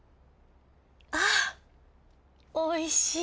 あおいしい。